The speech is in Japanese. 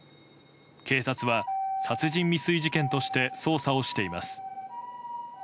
警察は殺人未遂事件として捜査をしています。